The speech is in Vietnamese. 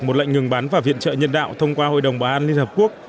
một lệnh ngừng bán và viện trợ nhân đạo thông qua hội đồng bảo an liên hợp quốc